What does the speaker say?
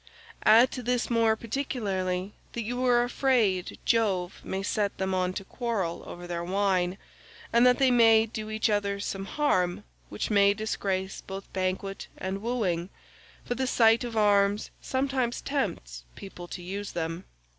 Add to this more particularly that you are afraid Jove may set them on to quarrel over their wine, and that they may do each other some harm which may disgrace both banquet and wooing, for the sight of arms sometimes tempts people to use them.